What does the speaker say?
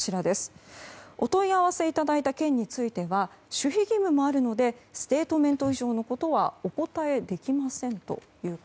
お問い合わせいただいた件については守秘義務もあるのでステートメント以上のことはお答えできませんと。